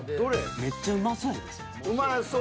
めっちゃうまそう。